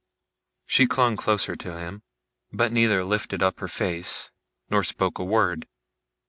She clung the closer to him, but neither lifted up her face, nor spoke a word.